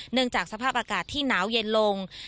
จากสภาพอากาศที่หนาวเย็นลง